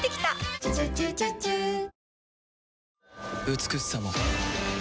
美しさも